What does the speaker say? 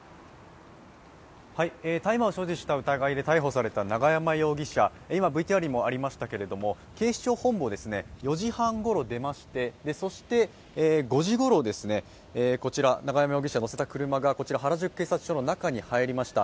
大麻を所持した疑いで逮捕された永山容疑者、警視庁本部を４時半ごろ、出まして、そして５時ごろ永山容疑者を乗せた車がこちら、原宿警察署の中へ入りました。